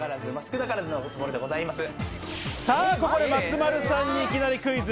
ここで松丸さんに、いきなりクイズ。